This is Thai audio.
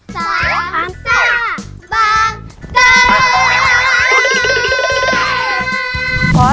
สามซ่าบางกอง